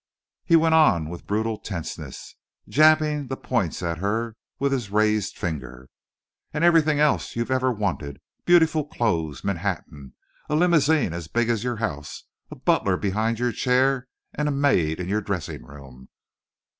He went on with brutal tenseness, jabbing the points at her with his raised finger. "And everything else you've ever wanted: beautiful clothes? Manhattan? A limousine as big as a house. A butler behind your chair and a maid in your dressing room?